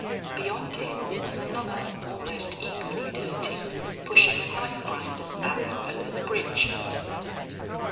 Beyond him was another almost equally dirty, pushing a knife grinder's barrow over the bridge.